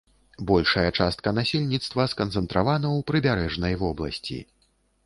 Большая частка насельніцтва сканцэнтравана ў прыбярэжнай вобласці.